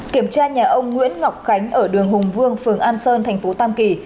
kiểm tra nhà ông nguyễn ngọc khánh ở đường hùng vương phường an sơn tp tam kỳ